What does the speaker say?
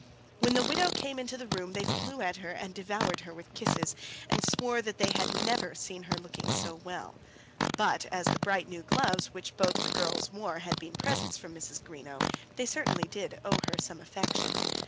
When the widow came into the room, they flew at her and devoured her with kisses, and swore that they had never seen her looking so well. But as the bright new gloves which both the girls wore had been presents from Mrs. Greenow, they certainly did owe her some affection.